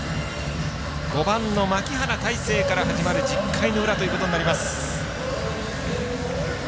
５番の牧原大成から始まる１０回の裏ということになります。